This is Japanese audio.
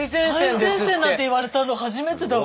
最前線なんて言われたの初めてだわ。